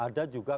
ada juga karena